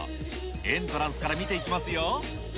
エントランスから見ていきますよ。